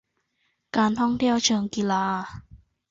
การท่องเที่ยวเชิงกีฬา